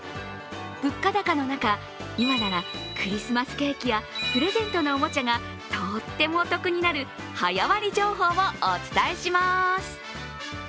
物価高の中、今ならクリスマスケーキやプレゼントのおもちゃがとってもお得になる早割り情報をお伝えします。